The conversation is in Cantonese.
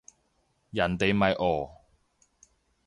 人哋咪哦